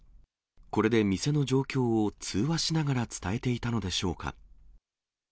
これで店の状況を通話しながら伝えていたのでしょうか。